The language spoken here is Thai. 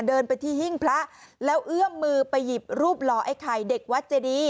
เดินไปที่หิ้งพระแล้วเอื้อมมือไปหยิบรูปหล่อไอ้ไข่เด็กวัดเจดี